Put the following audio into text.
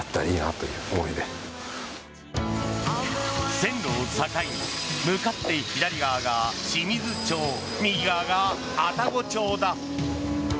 線路を境に向かって左側が清水町右側が愛宕町だ。